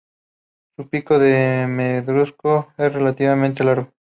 Su pico es negruzco y relativamente largo.